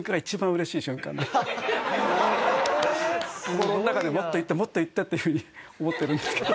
心の中でもっと言ってもっと言ってっていうふうに思ってるんですけど。